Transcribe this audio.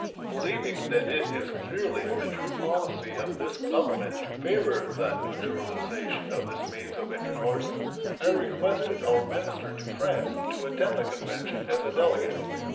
Believing that it is clearly the true policy of this Government to favor the neutralization of this means of intercourse, I requested our minister to France to attend the convention as a delegate.